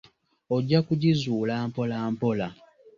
Ojja kugizuula mpolampola.